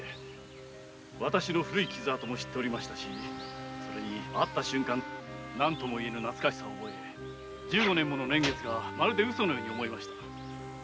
私の古い傷あとも知っておりましたしそれに会った瞬間何とも言えぬ懐かしさを覚えて１５年もの年月がまるでウソのように思えました。